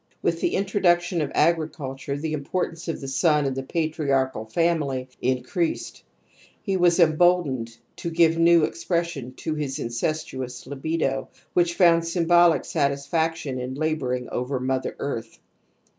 With the introduc tion of agriculture the importance of the son in the patriarchal family increased. He was emboldened to give new expression to his incest uous libido which found ^yTx^l^oljn Rfl.tisfftP.tinn in lab ouring over mother earth.